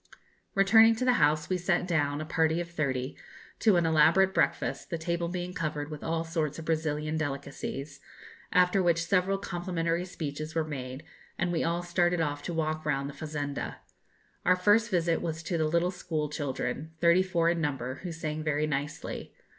Returning to the house, we sat down, a party of thirty, to an elaborate breakfast, the table being covered with all sorts of Brazilian delicacies, after which several complimentary speeches were made, and we all started off to walk round the fazenda. Our first visit was to the little schoolchildren, thirty four in number, who sang very nicely.